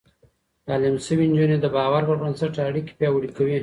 تعليم شوې نجونې د باور پر بنسټ اړيکې پياوړې کوي.